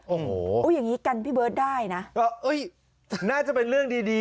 โอ้โหอุ้ยอย่างนี้กันพี่เบิร์ตได้นะก็เอ้ยน่าจะเป็นเรื่องดีดี